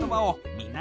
みんな！